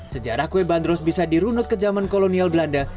sejarah kue bandros bisa dirunut ke zaman kolonial belanda